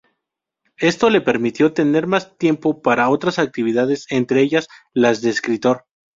Esto le permitió tener más tiempo para otras actividades, entre ellas, las de escritor.